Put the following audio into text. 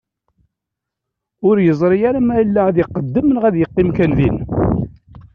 Ur yeẓri ma yella ad iqeddem neɣ ad iqqim kan din.